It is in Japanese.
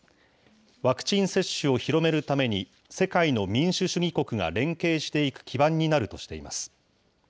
ワクチン接種を広めるために、世界の民主主義国が連携していく基盤になるとしています。